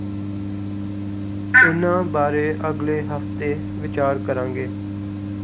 ਇਨ੍ਹਾਂ ਬਾਰੇ ਅਗਲੇ ਹਫ਼ਤੇ ਵਿਚਾਰ ਕਰਾਂਗੇ